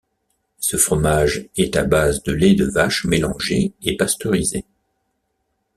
Ce fromage est à base de laits de vache mélangés et pasteurisés.